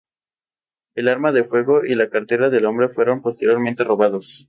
El arma de fuego y la cartera del hombre fueron posteriormente robados.